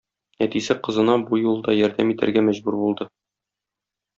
Әтисе кызына бу юлы да ярдәм итәргә мәҗбүр булды.